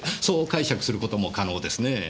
そう解釈する事も可能ですね。